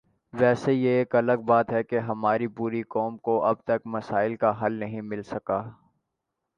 ویسے یہ الگ بات ہے کہ ہماری پوری قوم کو اب تک مسائل کا حل نہیں مل سکا